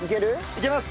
いけます！